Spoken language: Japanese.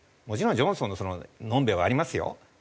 もちろんジョンソンののんではありますよ。